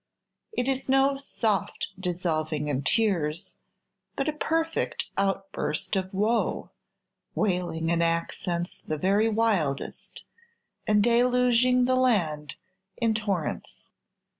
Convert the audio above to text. It is no "soft dissolving in tears," but a perfect outburst of woe, wailing in accents the very wildest, and deluging the land in torrents.